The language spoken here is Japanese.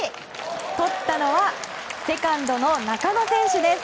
とったのは、セカンドの中野選手です。